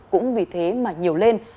cũng vì thế mà nhiều lên